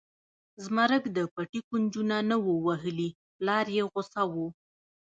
زمرک د پټي کونجونه نه و وهلي پلار یې غوسه و.